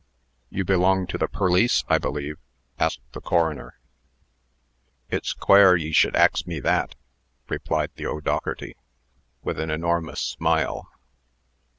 "You belong to the perlice, I believe?" asked the coroner. "It's quare ye should ax me that!" replied the O'Dougherty, with an enormous smile.